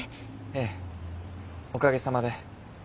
ええおかげさまで。